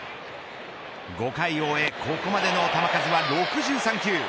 ５回を終えここまでの球数は６３球。